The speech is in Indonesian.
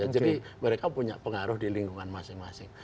jadi mereka punya pengaruh di lingkungan masing masing